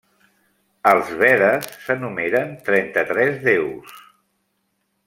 Als Vedes s'enumeren trenta-tres déus.